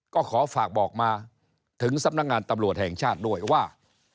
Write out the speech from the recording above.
ก็ขอฝากบอกมาถึงสำนักงานตำรวจแห่งชาติด้วยว่า